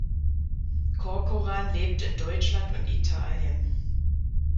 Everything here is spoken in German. Corcoran lebt in Deutschland und Italien.